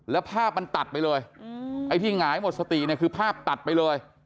แล้วภาพมันตัดไปเลยไอ้ที่หงายหมดสติเนี่ยคือภาพตัดไปเลย